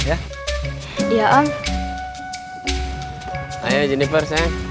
kalau orang ini maarin perempuan engga